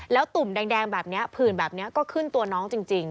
แล้วตุ่มแดงแบบนี้ผื่นแบบนี้ก็ขึ้นตัวน้องจริง